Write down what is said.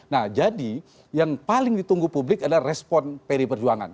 nah jadi yang paling ditunggu publik adalah respon pd perjuangan